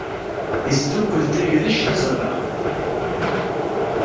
Isdukkel tagdect, aẓrar.